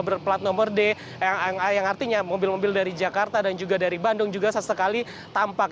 berplat nomor d yang artinya mobil mobil dari jakarta dan juga dari bandung juga sesekali tampak